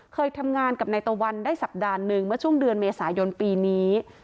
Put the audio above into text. เคยทำงานกับนายตะวันได้สัปดาห์หนึ่งเมื่อช่วงเดือนเมษายนปีนี้